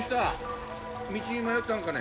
道に迷ったんかね？